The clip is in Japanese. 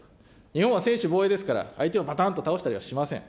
日本は専守防衛ですから、相手をばたんと倒したりはしません。